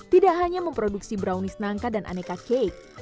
tidak hanya memproduksi brownies nangka dan aneka cake